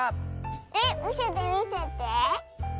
えっみせてみせて。